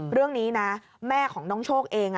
เรื่องนี้นะแม่ของน้องโชคเอง